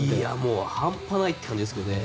半端ないって感じですけどね。